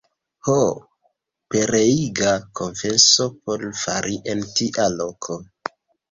Ho, pereiga konfeso por fari en tia loko!